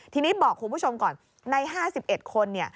ทีนี้บอกคุณผู้ชมก่อนใน๕๑คน